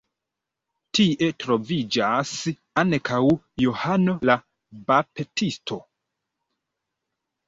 Tie troviĝas ankaŭ Johano la Baptisto.